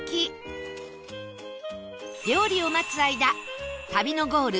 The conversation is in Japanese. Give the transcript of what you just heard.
料理を待つ間旅のゴール